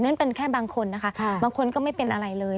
นั่นเป็นแค่บางคนนะคะบางคนก็ไม่เป็นอะไรเลย